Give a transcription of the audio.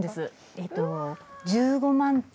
えっと１５万点。